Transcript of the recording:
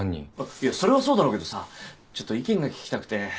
いやそれはそうだろうけどさちょっと意見が聞きたくて。